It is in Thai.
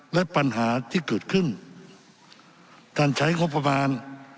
และปัญหาที่เกิดขึ้นการใช้งบประมาณ